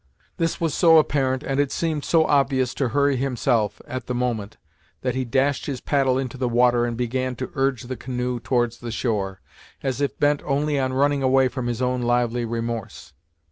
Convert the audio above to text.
This was so apparent, and it seemed so obvious to Hurry himself, at the moment, that he dashed his paddle into the water, and began to urge the canoe towards the shore, as if bent only on running away from his own lively remorse.